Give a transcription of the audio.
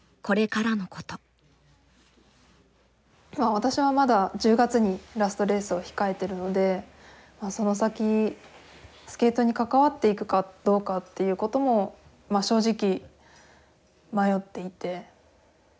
私はまだ１０月にラストレースを控えてるのでその先スケートに関わっていくかどうかっていうことも正直迷っていて。